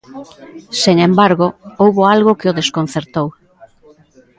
Sen embargo, houbo algo que o desconcertou.